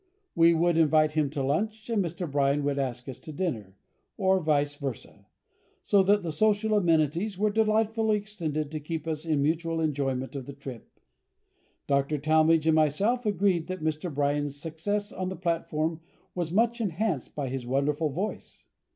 We would invite him to lunch, and Mr. Bryan would ask us to dinner, or vice versâ, so that the social amenities were delightfully extended to keep us in mutual enjoyment of the trip. Dr. Talmage and myself agreed that Mr. Bryan's success on the platform was much enhanced by his wonderful voice.